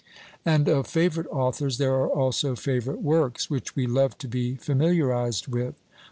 And of favourite authors there are also favourite works, which we love to be familiarised with.